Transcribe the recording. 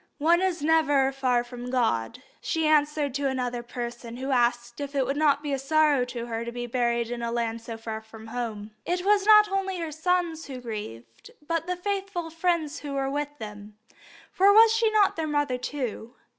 "One is never far from God," she answered to another person who asked her if it would not be a. sorrow to her to be buried in a land so far from home. It was not only her sons who grieved, but the faithful friends who were with them, for was she not their mother too?